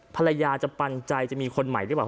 ภรรยาจะปันใจจะมีคนใหม่หรือเปล่า